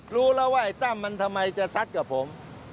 รู้แล้วว่าไอ้ตั้มมันทำไมจะซัดกับผม